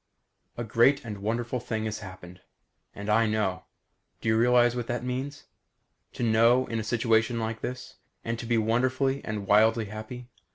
A great and wonderful thing has happened. And I know. Do you realize what that means? To know in a situation like this? And to be wonderfully and wildly happy?